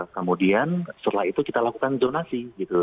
kemudian setelah itu kita lakukan zonasi gitu